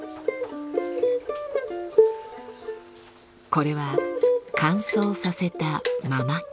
これは乾燥させたママキ。